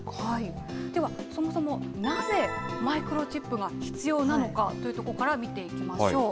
では、そもそもなぜマイクロチップが必要なのかというところから見ていきましょう。